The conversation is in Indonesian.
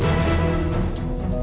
aku mengalami terallo timed nya